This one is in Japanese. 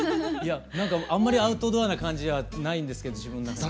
あんまりアウトドアな感じはないんですけど自分の中では。